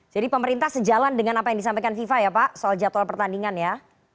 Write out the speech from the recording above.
jadi pemerintah sejalan dengan apa yang disampaikan fifa ya pak soal jadwal pertandingan ya